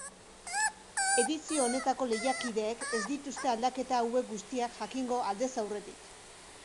Edizio honetako lehiakideek ez dituzte aldaketa hauek guztiak jakingo aldez aurretik.